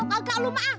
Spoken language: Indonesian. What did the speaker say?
kagak lu ma